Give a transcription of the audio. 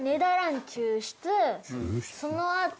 そのあと。